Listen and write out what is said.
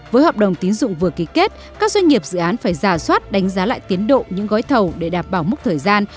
với hợp đồng tín dụng vừa ký kết các doanh nghiệp dự án phải giả soát đánh giá lại tiến độ những gói thầu để đảm bảo mức thời gian